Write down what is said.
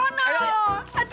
nanti mau ke sana loh